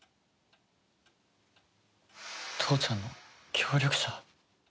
父ちゃんの協力者？